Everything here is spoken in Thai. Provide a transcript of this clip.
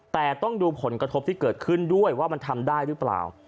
แต่ต้องดูผลกระทบที่เกิดขึ้นด้วยว่ามันทำได้หรือเปล่า